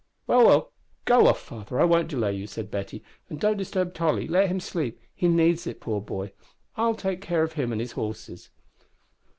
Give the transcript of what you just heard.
"Well, well, go off, father; I won't delay you," said Betty; "and don't disturb Tolly, let him sleep, he needs it, poor boy. I will take care of him and his horses."